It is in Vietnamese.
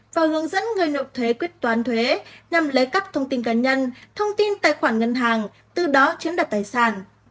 và hướng dẫn người nộp thuế quyết toán thuế nhằm lấy cắp thông tin cá nhân thông tin tài khoản ngân hàng từ đó chiếm đặt tài sản